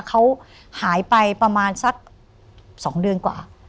เขาหายไปประมาณสัก๒เดือนกว่า